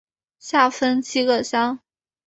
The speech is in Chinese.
下分七个乡。